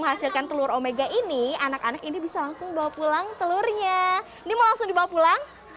dihasilkan telur omega ini anak anak ini bisa langsung bawa pulang telurnya nih mulai sed overnight